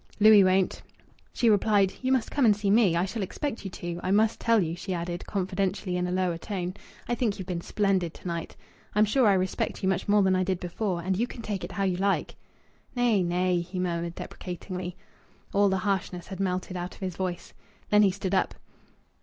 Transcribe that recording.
"Louis won't." She replied: "You must come and see me. I shall expect you to. I must tell you," she added confidentially, in a lower tone, "I think you've been splendid to night. I'm sure I respect you much more than I did before and you can take it how you like!" "Nay! Nay!" he murmured deprecatingly. All the harshness had melted out of his voice. Then he stood up.